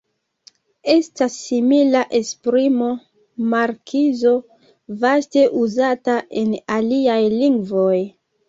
Estas simila esprimo "markizo", vaste uzata en aliaj lingvoj.